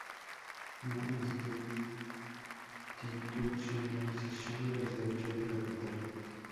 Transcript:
No institucionalización de los derechos de capital.